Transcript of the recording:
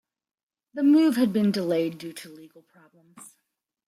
The move had been delayed due to legal problems.